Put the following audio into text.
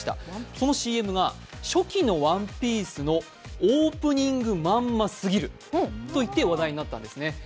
そのＣＭが初期の「ＯＮＥＰＩＥＣＥ」のオープニングまんますぎるといって話題になったんですね。